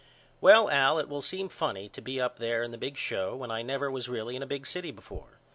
Well Al it will seem funny to be up there in the big show when I never was really in a big city before.